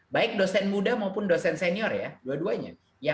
baik dosen muda maupun dosen senior ya dua duanya